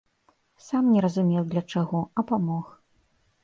Сам не разумеў для чаго, а памог.